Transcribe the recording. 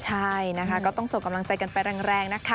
ใช่นะคะก็ต้องส่งกำลังใจกันไปแรงนะคะ